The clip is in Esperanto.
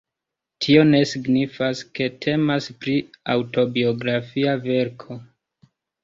Tio ne signifas, ke temas pri aŭtobiografia verko.